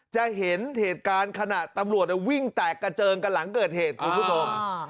จะเห็นเหตุการณ์ขณะตำรวจวิ่งแตกกระเจิงกันหลังเกิดเหตุคุณผู้ชม